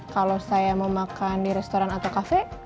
kalau saya mau makan di restoran atau kafe